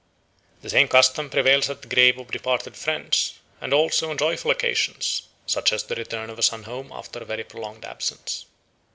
The same custom prevails at the grave of departed friends, and also on joyful occasions, such as the return of a son home after a very prolonged absence."